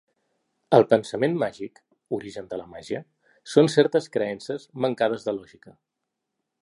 El pensament màgic, origen de la màgia, són certes creences mancades de lògica.